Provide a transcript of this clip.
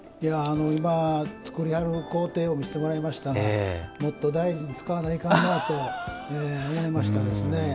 今、作りはる工程を見させてもらいましたがもっと大事に使わなあかんなと思いましたね。